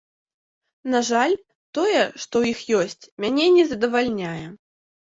На жаль, тое, што ў іх ёсць, мяне не задавальняе.